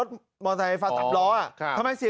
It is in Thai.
ท่ายบิน๐๓